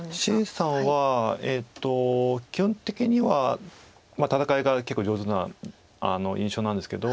謝さんは基本的には戦いが結構上手な印象なんですけど。